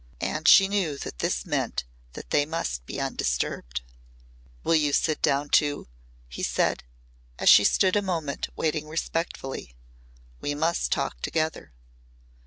And she knew that this meant that they must be undisturbed. "Will you sit down too," he said as she stood a moment waiting respectfully. "We must talk together."